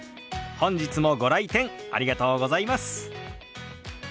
本日もご来店ありがとうございます。